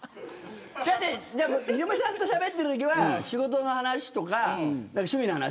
ヒロミさんとしゃべってるときは仕事の話とか趣味の話。